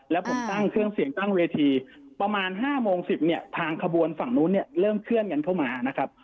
แล้วผมตั้งเครื่องเสียงตั้งเวทีประมาณ๕โมง๑๐เนี่ยทางขบวนฝั่งนู้นเนี่ยเริ่มเคลื่อนกันเข้ามานะครับ